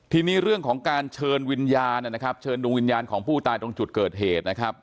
ทีนี้เรื่องของการเชิญวิญญาณนะครับเชิญดวงวิญญาณของผู้ตายตรงจุดเกิดเหตุนะครับ